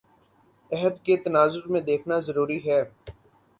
عہد کے تناظر میں دیکھنا ضروری ہے